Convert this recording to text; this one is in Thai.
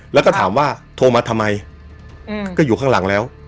แล้วก็ถามว่าโทรมาทำไมก็อยู่ข้างหลังแล้ว